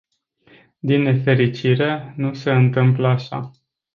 Din nefericire, nu se întâmplă așa.